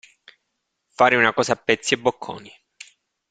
Fare una cosa a pezzi e bocconi.